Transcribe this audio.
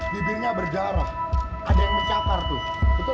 bibirnya berjarah ada yang mencatat tuh